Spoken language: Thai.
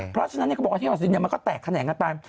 เพราะฉะนั้นก็บอกว่าเทพภัสดินมันก็แตกคะแหน่งกันตาม